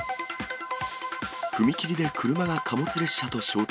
踏切で車が貨物列車と衝突。